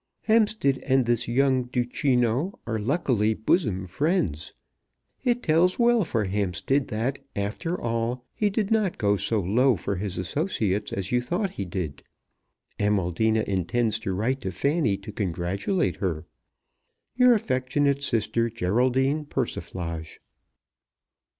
Hampstead and this young Duchino are luckily bosom friends. It tells well for Hampstead that, after all, he did not go so low for his associates as you thought he did. Amaldina intends to write to Fanny to congratulate her. Your affectionate sister, GERALDINE PERSIFLAGE.